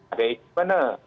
ada itu benar